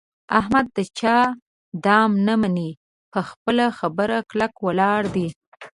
احمد د چا دم نه مني. په خپله خبره کلک ولاړ دی.